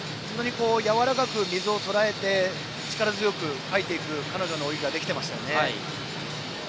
やわらかく水をとらえて力強くかいていくという彼女の泳ぎができていましたよね。